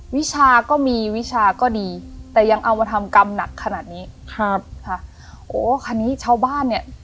วิชาก็มีวิชาก็ดีแต่ยังเอามาทำกรรมหนักขนาดนี้ครับค่ะโอ้คราวนี้ชาวบ้านเนี่ย